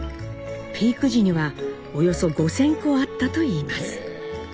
ピーク時にはおよそ５，０００戸あったといいます。